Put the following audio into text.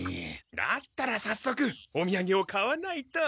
だったらさっそくおみやげを買わないと。